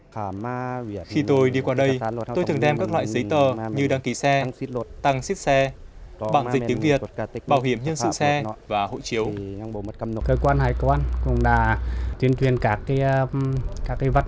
khi tôi đi qua đây tôi thường đem các loại giấy tờ như đăng ký xe tăng xít xe bảng dịch tiếng việt